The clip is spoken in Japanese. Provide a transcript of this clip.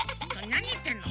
なにいってんの？